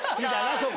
そこ。